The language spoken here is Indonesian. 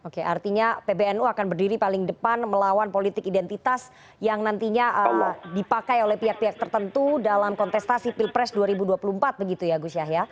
oke artinya pbnu akan berdiri paling depan melawan politik identitas yang nantinya dipakai oleh pihak pihak tertentu dalam kontestasi pilpres dua ribu dua puluh empat begitu ya gus yahya